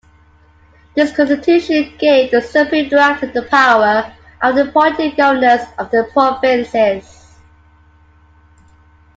This constitution gave the Supreme Director the power of appointing Governors of the provinces.